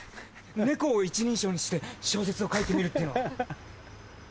猫を一人称にして小説を書いてみるっていうのは。